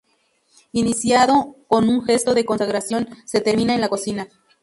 Iniciado con un gesto de consagración, se termina en la cocina.